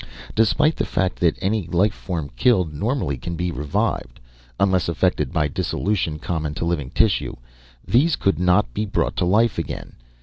Despite the fact that any life form killed normally can be revived, unless affected by dissolution common to living tissue, these could not be brought to life again.